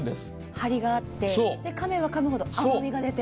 張りがあって、かめばかむほど味が出て。